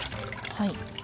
はい。